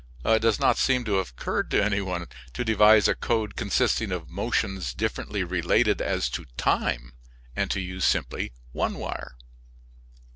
It does not seem to have occurred to any one to devise a code consisting of motions differently related as to time, and to use simply one wire.